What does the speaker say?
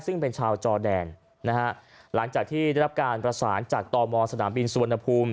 ซึ่งเป็นชาวจอดแดนรับการประสานจากตอบหมอนสนามบิลสุรณภูมิ